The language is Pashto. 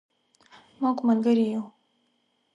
مونږ ملګری یو